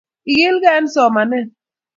ikilgei en somanet